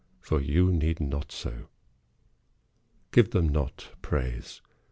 For you need not so. Give them not praise.